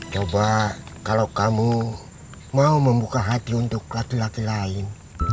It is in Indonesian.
coba kalau kamu mau membuka hati untuk laki laki lain